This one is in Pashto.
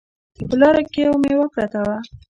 په لاره کې یوه میوه پرته وه